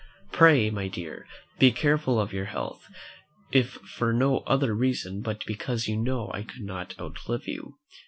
Pray, my dear, be careful of your health, if for no other reason but because you know I could not outlive you.